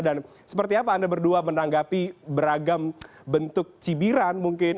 dan seperti apa anda berdua menanggapi beragam bentuk cibiran mungkin